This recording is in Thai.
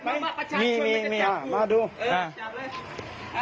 ครับผมไม่มีอะไรอยู่แล้วเข้าไปสุดใจครับ